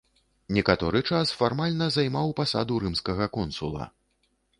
Некаторы час фармальна займаў пасаду рымскага консула.